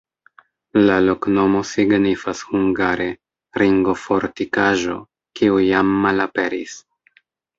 La loknomo signifas hungare: ringo-fortikaĵo, kiu jam malaperis.